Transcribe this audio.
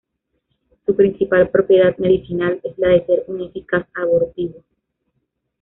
Su principal propiedad medicinal es la de ser un eficaz abortivo.